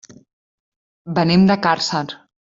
Venim de Càrcer.